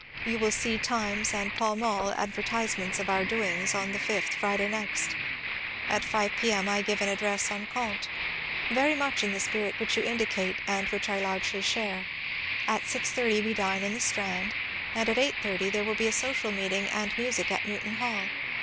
You will see (" Times " and " Pall Mall ") adver tisements of our doings on the 5th, Friday next. At 5 p. M. I give an address on Comte — very much in the spirit which you indicate and which I largely share. At 6.30 we dine in the Strand, and at 8.30 there will be a social meeting and music at Newton Hall.